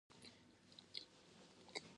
د غلو دانو ذخیره.